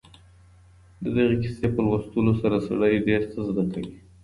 د دغې کیسې په لوستلو سره سړی ډېر څه زده کوي.